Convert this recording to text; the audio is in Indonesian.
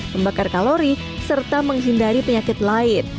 membakar kalori serta menghindari penyakit lain